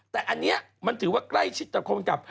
แต่อันนี้มันถือว่าใกล้ชิดกับคนกลับ